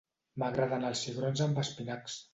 M'agraden els cigrons amb espinacs.